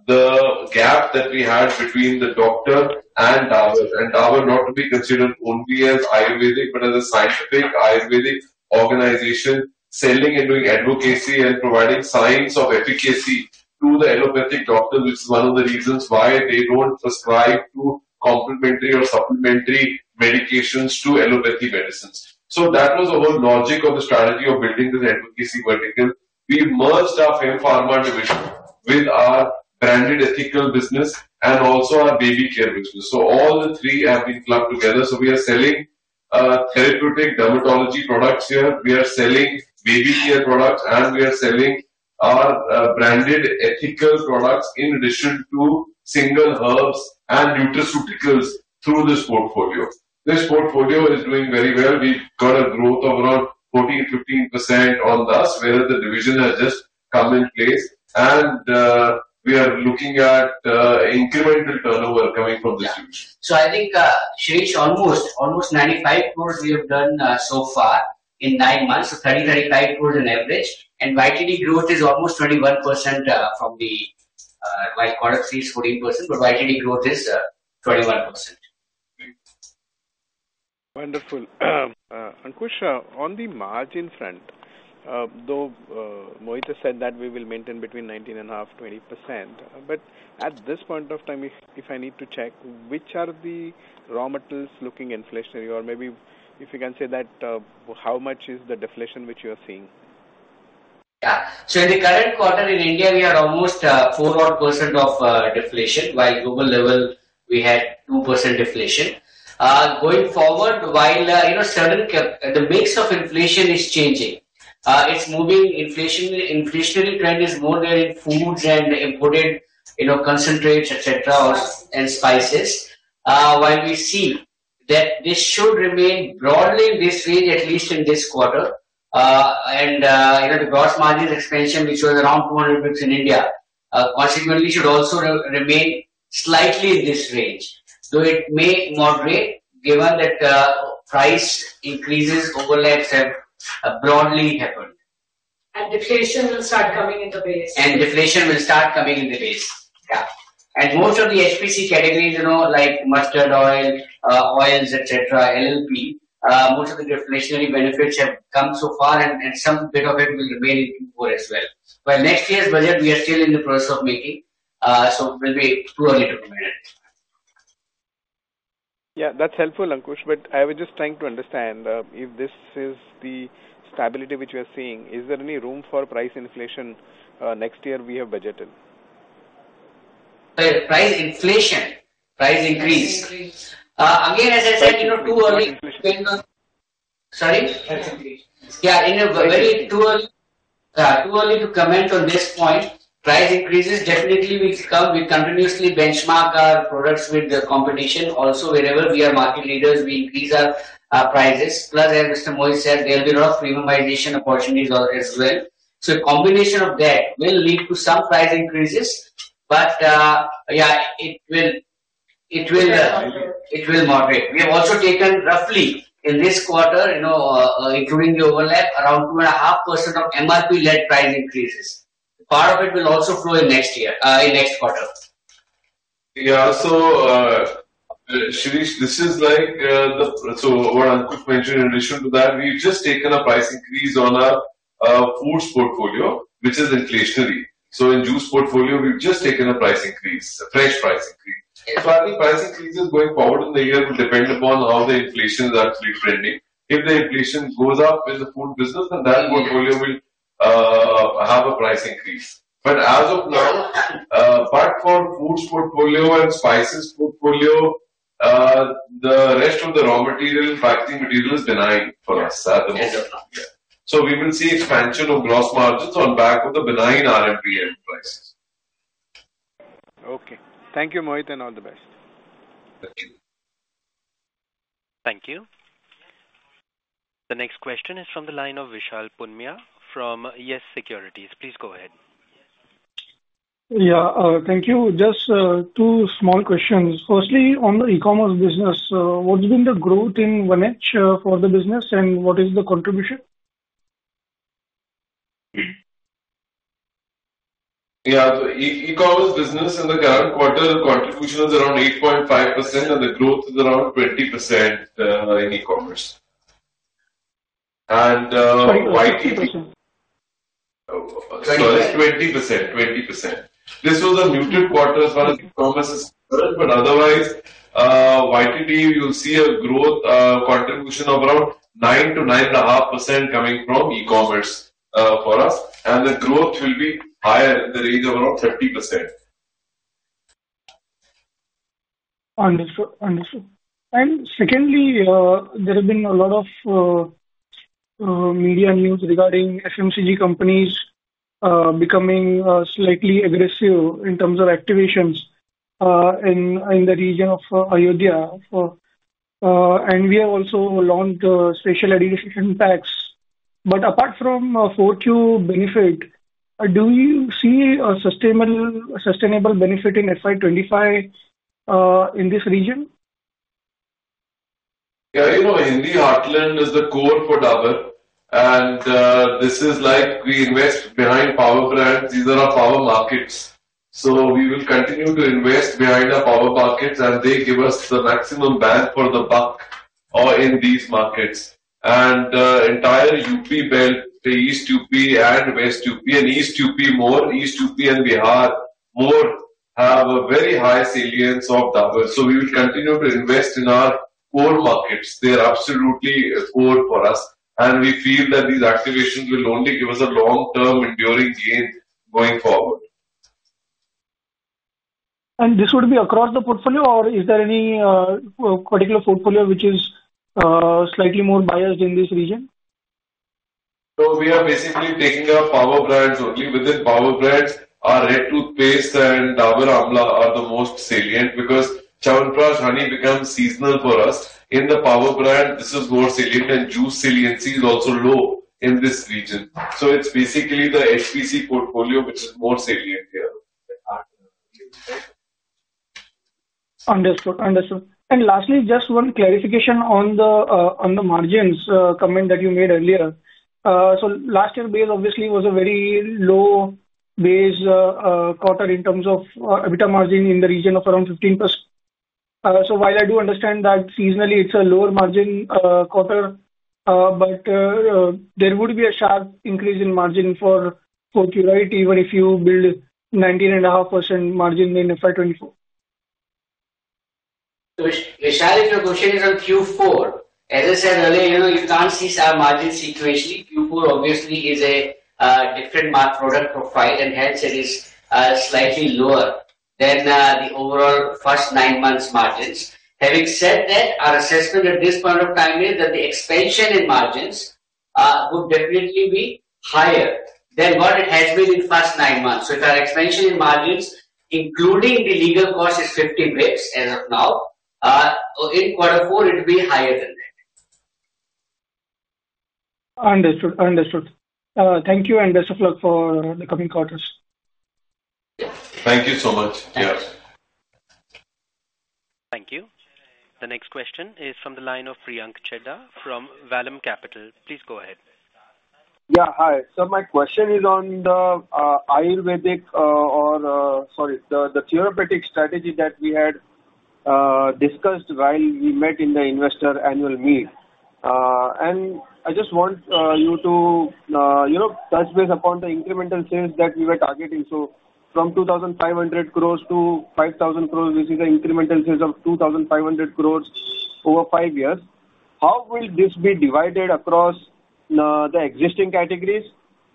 the gap that we had between the doctor and Dabur. Dabur not to be considered only as Ayurvedic, but as a scientific Ayurvedic organization, selling and doing advocacy and providing science of efficacy to the allopathic doctor, which is one of the reasons why they don't prescribe to complementary or supplementary medications to allopathy medicines. That was the whole logic of the strategy of building this advocacy vertical. We merged our Fem Pharma division with our branded ethical business and also our baby care business. All the three have been clubbed together. We are selling therapeutic dermatology products here, we are selling baby care products, and we are selling our branded ethical products in addition to single herbs and nutraceuticals through this portfolio. This portfolio is doing very well. We've got a growth of around 14%-15% on thus, where the division has just come in place, and we are looking at incremental turnover coming from this huge. Yeah. So I think, Shirish, almost, almost 95 crore we have done so far in nine months. So 30-35 crore on average, and YTD growth is almost 21%, while Q3 is 14%, but YTD growth is 21%. Wonderful. Ankush, on the margin front, though, Mohit said that we will maintain between 19.5 and 20%, but at this point of time, if, if I need to check, which are the raw materials looking inflationary? Or maybe if you can say that, how much is the deflation which you are seeing? Yeah. So in the current quarter in India, we are almost four-odd% deflation, while global level, we had 2% deflation. Going forward, while you know, certain the mix of inflation is changing, it's moving inflationary trend is more there in foods and imported, you know, concentrates, et cetera, or, and spices. While we see that this should remain broadly in this range, at least in this quarter, and you know, the gross margins expansion, which was around 200 basis in India, consequently should also remain slightly in this range, though it may moderate, given that price increases overlaps have broadly happened. Deflation will start coming in the base. Deflation will start coming in the base. Yeah. Most of the HPC categories, you know, like mustard oil, oils, et cetera, LLP, most of the deflationary benefits have come so far, and, and some bit of it will remain in Q4 as well. Well, next year's budget, we are still in the process of making. So we'll be too early to comment. Yeah, that's helpful, Ankush, but I was just trying to understand, if this is the stability which you are seeing, is there any room for price inflation, next year we have budgeted? Price inflation, price increase? Price increase. Again, as I said, you know, too early. Sorry? Price increase. Yeah, it's way too early to comment on this point. Price increases definitely will come. We continuously benchmark our products with the competition. Also, wherever we are market leaders, we increase our prices. Plus, as Mr. Mohit said, there will be a lot of premiumization opportunities as well. So a combination of that will lead to some price increases. But it will moderate. We have also taken roughly in this quarter, you know, including the overlap, around 2.5% of MRP-led price increases. Part of it will also flow in next year, in next quarter. Yeah, so, Shirish, this is like, the... So what Ankush mentioned, in addition to that, we've just taken a price increase on our, foods portfolio, which is inflationary. So in juice portfolio, we've just taken a price increase, a fresh price increase. Further price increases going forward in the year will depend upon how the inflations are trending. If the inflation goes up in the food business, then that portfolio will, have a price increase. But as of now, apart for foods portfolio and spices portfolio, the rest of the raw material, packing material is benign for us. Yes. We will see expansion of gross margins on back of the benign RMPM prices. Okay. Thank you, Mohit, and all the best. Thank you. Thank you. The next question is from the line of Vishal Punmia from Yes Securities. Please go ahead. Yeah, thank you. Just, two small questions. Firstly, on the e-commerce business, what has been the growth in percentage, for the business, and what is the contribution? Yeah. So e-commerce business in the current quarter, the contribution was around 8.5%, and the growth is around 20%, in e-commerce. And YTD- Sorry, 20%? Sorry, 20%, 20%. This was a muted quarter as far as e-commerce is concerned, but otherwise, YTD, you'll see a growth, contribution of around 9%-9.5% coming from e-commerce, for us, and the growth will be higher in the range of around 30%. Understood. Understood. And secondly, there have been a lot of media news regarding FMCG companies becoming slightly aggressive in terms of activations in the region of Ayodhya. And we have also launched a special edition packs. But apart from a Q4 benefit, do you see a sustainable, sustainable benefit in FY 25 in this region? Yeah, you know, Hindi Heartland is the core for Dabur, and this is like we invest behind power brands. These are our power markets. So we will continue to invest behind our power markets, and they give us the maximum bang for the buck in these markets. And entire UP belt, the East UP and West UP, and East UP more, East UP and Bihar more, have a very high salience of Dabur. So we will continue to invest in our core markets. They are absolutely a core for us, and we feel that these activations will only give us a long-term enduring gain going forward. This would be across the portfolio, or is there any particular portfolio which is slightly more biased in this region? We are basically taking our power brands only. Within power brands, our Red Paste and Dabur Amla are the most salient because Chyawanprash, Honey becomes seasonal for us. In the power brand, this is more salient, and juice saliency is also low in this region. It's basically the HPC portfolio which is more salient here. Understood. Understood. Lastly, just one clarification on the margins comment that you made earlier. Last year base obviously was a very low base quarter in terms of EBITDA margin in the region of around 15%. While I do understand that seasonally it's a lower margin quarter, but there would be a sharp increase in margin for Q1, even if you build 19.5% margin in FY 2024. Vishal, if your question is on Q4, as I said earlier, you know, you can't see sharp margins sequentially. Q4 obviously is a different market product profile, and hence it is slightly lower than the overall first nine months margins. Having said that, our assessment at this point of time is that the expansion in margins would definitely be higher than what it has been in the past nine months. So if our expansion in margins, including the legal cost, is 50 basis points as of now, so in quarter four, it will be higher than that. Understood. Understood. Thank you, and best of luck for the coming quarters. Thank you so much. Yes. Thank you. The next question is from the line of Priyank Chedda from Vallum Capital. Please go ahead. Yeah, hi. So my question is on the Ayurvedic, or, sorry, the therapeutic strategy that we had discussed while we met in the investor annual meet. And I just want you to, you know, touch base upon the incremental sales that we were targeting. So from 2,500 crores to 5,000 crores, this is an incremental sales of 2,500 crores over five years. How will this be divided across the existing categories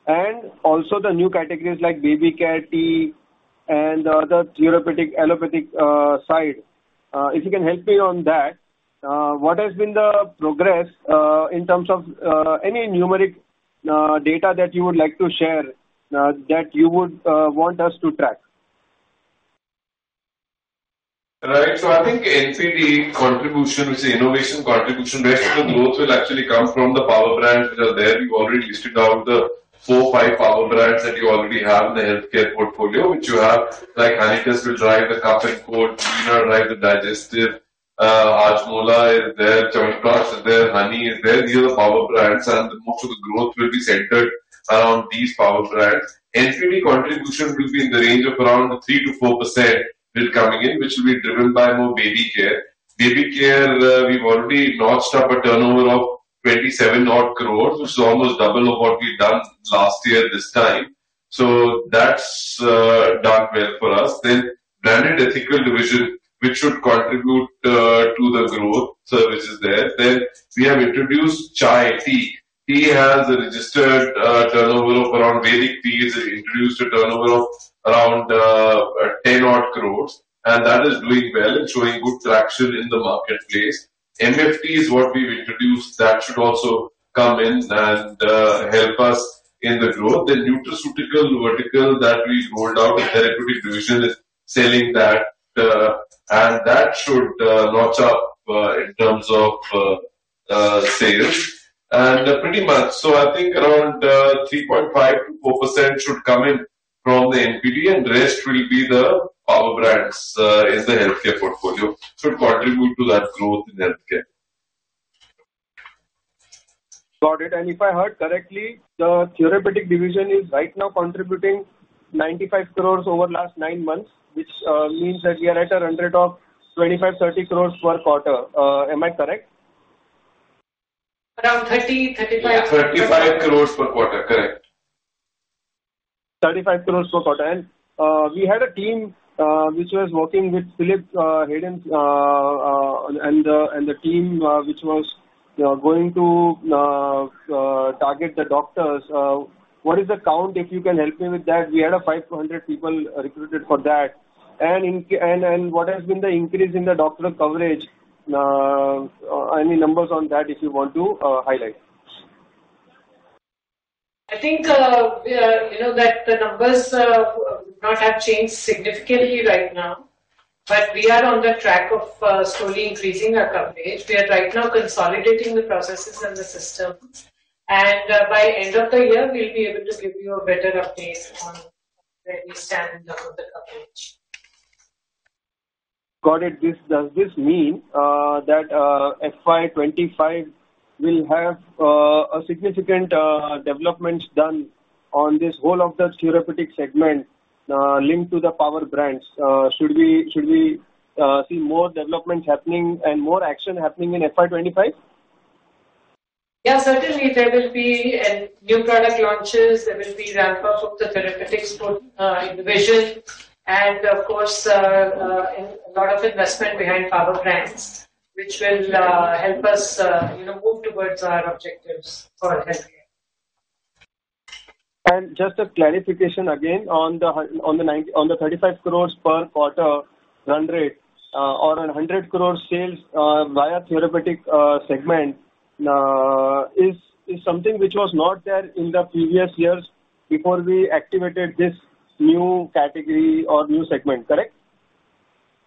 and also the new categories, like baby care, tea, and the other therapeutic, allopathic side? If you can help me on that, what has been the progress in terms of any numeric data that you would like to share that you would want us to track? Right. So I think NPD contribution, which is innovation contribution, rest of the growth will actually come from the power brands that are there. We've already listed out the 4, 5 power brands that you already have in the healthcare portfolio, which you have, like Honitus will drive the cough and cold, Pudin Hara drive the digestive, Hajmola is there, Chyawanprash is there, Honey is there. These are the power brands, and most of the growth will be centered around these power brands. NPD contribution will be in the range of around 3%-4% will coming in, which will be driven by more baby care. Baby care, we've already notched up a turnover of 27 odd crores, which is almost double of what we've done last year this time. So that's done well for us. Then Branded Ethical division, which should contribute to the growth, so this is there. Then we have introduced Chai tea. Tea has a registered turnover of around Vedic Tea has introduced a turnover of around ten odd crores, and that is doing well and showing good traction in the marketplace. MFT is what we've introduced that should also come in and help us in the growth. The nutraceutical vertical that we rolled out with the ethical division is selling that, and that should notch up in terms of sales. And pretty much, so I think around 3.5%-4% should come in from the NPD, and rest will be the power brands in the healthcare portfolio should contribute to that growth in healthcare. Got it. And if I heard correctly, the therapeutic division is right now contributing 95 crore over last nine months, which means that we are at a run rate of 25-30 crore per quarter. Am I correct? Around 30, 35- 35 crore per quarter, correct. INR 35 crore per quarter. We had a team, which was working with Philippe Haydon, and the team, which was going to target the doctors. What is the count, if you can help me with that? We had 500 people recruited for that. And inc... and, what has been the increase in the doctor coverage? Any numbers on that if you want to highlight? I think, we are, you know, that the numbers not have changed significantly right now, but we are on the track of slowly increasing our coverage. We are right now consolidating the processes and the system, and by end of the year, we'll be able to give you a better update on where we stand in terms of the coverage. Got it. Does this mean that FY25 will have a significant developments done on this whole of the therapeutic segment linked to the power brands? Should we see more developments happening and more action happening in FY25? Yeah, certainly, there will be a new product launches. There will be ramp up of the therapeutics portfolio division, and of course, a lot of investment behind Power Brands, which will help us, you know, move towards our objectives for healthcare. Just a clarification again on the 35 crore per quarter run rate or 100 crore sales via therapeutic segment is something which was not there in the previous years before we activated this new category or new segment, correct?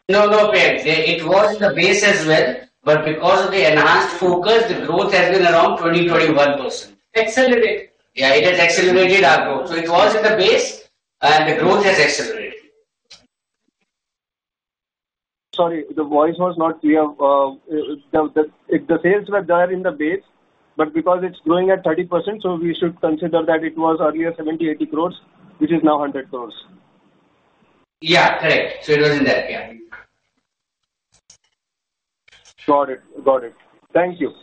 No, no, Priyank. It was the base as well, but because of the enhanced focus, the growth has been around 20-21%. Accelerated. Yeah, it has accelerated our growth. So it was in the base, and the growth has accelerated. Sorry, the voice was not clear. If the sales were there in the base, but because it's growing at 30%, so we should consider that it was earlier 70-80 crores, which is now 100 crores? Yeah, correct. So it was in that, yeah. Got it. Got it. Thank you.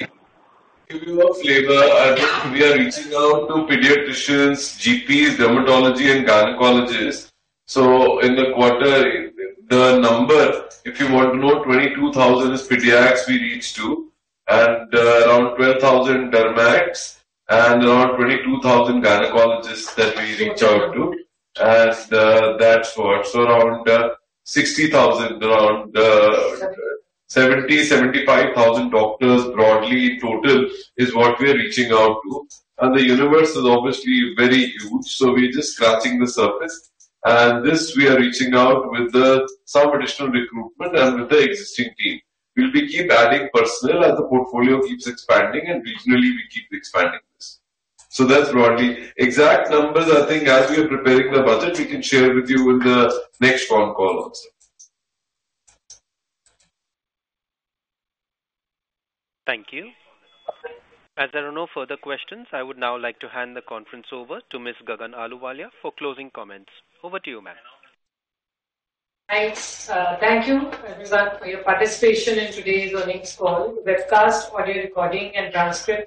In the world of labor, we are reaching out to pediatricians, GPs, dermatologists, and gynecologists. In the quarter, the number, if you want to know, 22,000 pediatricians we reach to, and around 12,000 dermats, and around 22,000 gynecologists that we reach out to. That's what, so around 60,000, around- Seventy. 70-75,000 doctors broadly total is what we are reaching out to. The universe is obviously very huge, so we're just scratching the surface. This, we are reaching out with some additional recruitment and with the existing team. We'll keep adding personnel as the portfolio keeps expanding, and regionally, we keep expanding this. That's broadly. Exact numbers, I think, as we are preparing the budget, we can share with you in the next phone call also. Thank you. As there are no further questions, I would now like to hand the conference over to Ms. Gagan Ahluwalia for closing comments. Over to you, ma'am. Thanks, thank you, everyone, for your participation in today's earnings call. Webcast, audio recording, and transcript will be-